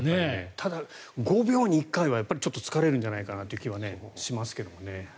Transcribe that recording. ただ５秒に１回は疲れるんじゃないかという気はしますけどね。